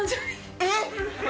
えっ？